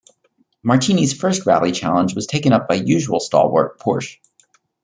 Martini's first rally challenge was taken up by usual stalwart Porsche.